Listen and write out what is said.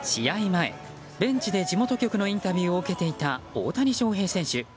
前、ベンチで地元局のインタビューを受けていた大谷翔平選手。